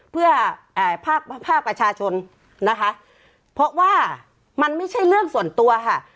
เพื่อภาคภาคประชาชนนะคะเพราะว่ามันไม่ใช่เรื่องส่วนตัวค่ะ